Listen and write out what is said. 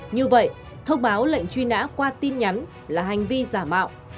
như vậy thông báo lệnh truy nã qua tin nhắn là hành vi giả mạo